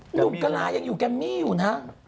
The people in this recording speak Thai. หนุ่มกะลายังอยู่แกมมี่อยู่นะ